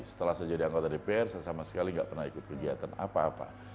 setelah saya jadi anggota dpr saya sama sekali nggak pernah ikut kegiatan apa apa